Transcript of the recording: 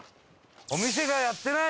お店がやってない！